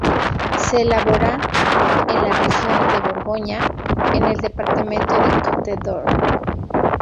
Se elabora en la región de Borgoña, en el departamento de Côte-d'Or.